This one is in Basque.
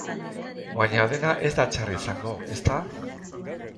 Baina dena ez da txarra izango, ezta?